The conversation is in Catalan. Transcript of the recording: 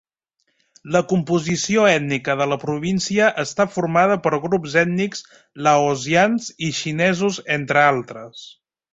La composició ètnica de la província està formada per grups ètnics laosians i xinesos entre altres.